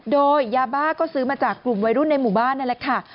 โดยยาบ้าก็ซื้อมาจากกลุ่มวัยรุ่นในหมู่บ้านนั่นแหละค่ะ